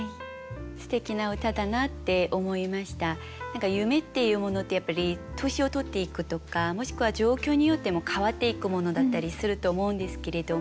何か夢っていうものってやっぱり年を取っていくとかもしくは状況によっても変わっていくものだったりすると思うんですけれども